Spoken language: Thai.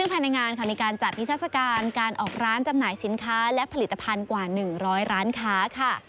แผ่นในงานจัดนิทราศการการออกร้านจำหน่ายสินค้าและผลิตภัณฑ์กว่า๑๐๐ร้านค้า